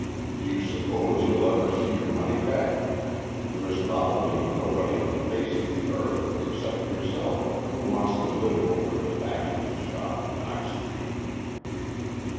Do you suppose you'll ever see your money back ? There is probably nobody on the face of the earth, except yourself, who wants to live over a tobacconist's shop in Knox Street."